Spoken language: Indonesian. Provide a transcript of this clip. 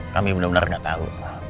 kami bener bener gak tau